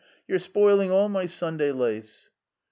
You're spoiling all my Sunday lace."